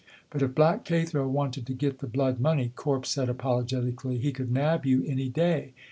"But if Black Cathro wanted to get the blood money," Corp said apologetically, "he could nab you any day.